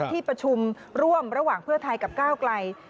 ที่ประชุมร่วมระหว่างเพื่อไทยกับก้าวไกล